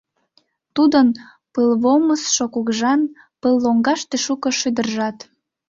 Тудын — пылвомышсо кугыжан Пыл лоҥгаште шуко шӱдыржат.